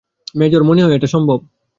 Major, মনে হয় এটা সম্ভব?